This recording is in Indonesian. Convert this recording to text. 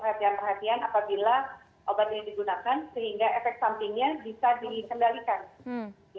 afiga ini memang adalah obat flu flu itu mempunyai karakteristik virus mrna sama seperti covid sembilan belas